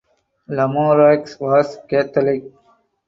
Lamoreaux was Catholic.